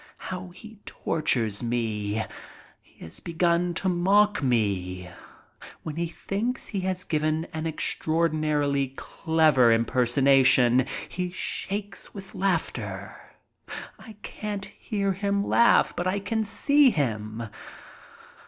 How he tortures me! He has begun to mock me. When he thinks he has given an extraordinarily clever impersonation he shakes with laughter. I can't hear him laugh. But I see him.